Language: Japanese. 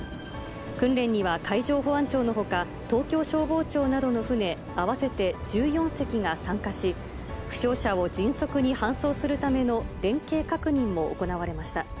訓練には海上保安庁のほか、東京消防庁などの船、合わせて１４隻が参加し、負傷者を迅速に搬送するための、連携確認も行われました。